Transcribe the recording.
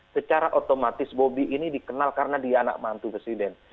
secara otomatis bobi ini dikenal karena dia anak mantu presiden